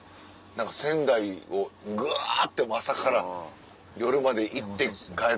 何か仙台をぐわって朝から夜まで行って帰って。